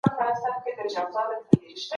متخصصين غير اقتصادي شرايط هم څېړي.